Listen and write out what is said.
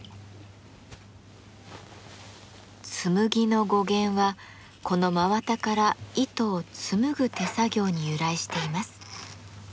「紬」の語源はこの真綿から糸を紡ぐ手作業に由来しています。